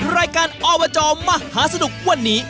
รายการอบจมหาสนุกวันนี้